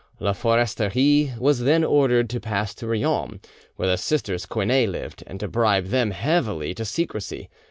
La Foresterie was then ordered to pass to Riom, where the sisters Quinet lived, and to bribe them heavily to secrecy.